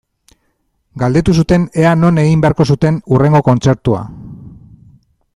Galdetu zuten ea non egin beharko zuten hurrengo kontzertua.